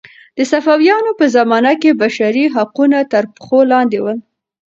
د صفویانو په زمانه کې بشري حقونه تر پښو لاندې ول.